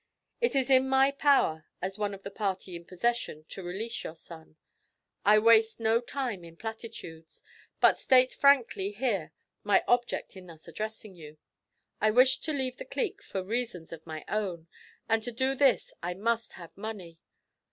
'It is in my power, as one of the party in possession, to release your son. I waste no time in platitudes, but state frankly here my object in thus addressing you. I wish to leave the clique for reasons of my own, and to do this I must have money.